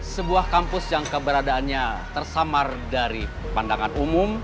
sebuah kampus yang keberadaannya tersamar dari pandangan umum